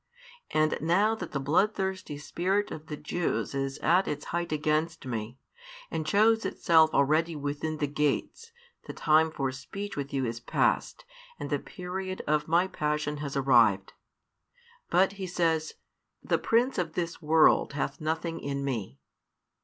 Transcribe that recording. And now that the bloodthirsty spirit of the Jews is at its height against Me, and shows itself already within the gates, the time for speech with you is past, and the period of My passion has arrived. But He says, The prince of this world hath nothing in Me.